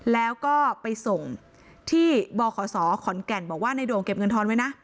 แล้วก็ไปส่งที่บขศขอนแก่นบอกว่าในโด่งเก็บเงินทอนไว้นะ